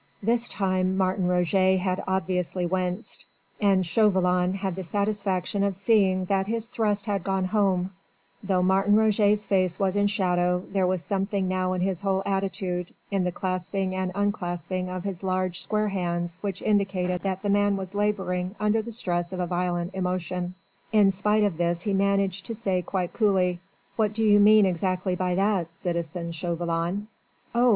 This time Martin Roget had obviously winced, and Chauvelin had the satisfaction of seeing that his thrust had gone home: though Martin Roget's face was in shadow, there was something now in his whole attitude, in the clasping and unclasping of his large, square hands which indicated that the man was labouring under the stress of a violent emotion. In spite of this he managed to say quite coolly: "What do you mean exactly by that, citizen Chauvelin?" "Oh!"